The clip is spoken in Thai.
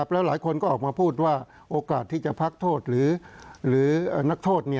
แล้วหลายคนก็ออกมาพูดว่าโอกาสที่จะพักโทษหรือนักโทษ